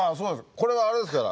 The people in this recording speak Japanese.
これはあれですから。